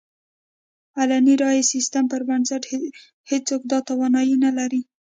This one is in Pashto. علني رایې سیستم پر بنسټ هېڅوک دا توانایي نه لري.